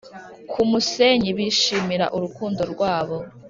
kumusenyi bishimira urukundo rwabo